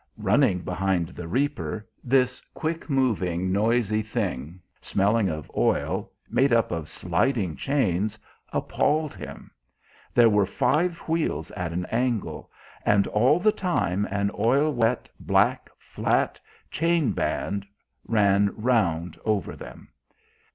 Running behind the reaper this quick moving, noisy thing smelling of oil, made up of sliding chains appalled him; there were five wheels at an angle, and all the time an oil wet, black, flat, chain band ran round over them!